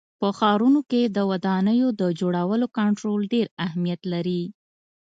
په ښارونو کې د ودانیو د جوړولو کنټرول ډېر اهمیت لري.